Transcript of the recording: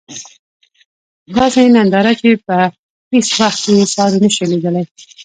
داسې ننداره چې په هیڅ وخت کې یې ساری نشو لېدلی.